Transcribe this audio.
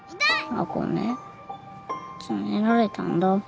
亜子ねつねられたんだ。